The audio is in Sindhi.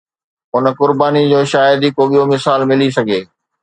ان قربانيءَ جو شايد ئي ٻيو ڪو مثال ملي سگهي